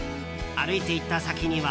歩いて行った先には。